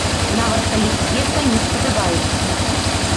Нават калі п'еса не спадабаецца.